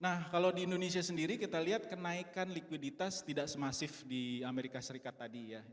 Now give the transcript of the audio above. nah kalau di indonesia sendiri kita lihat kenaikan likuiditas tidak semasif di amerika serikat tadi ya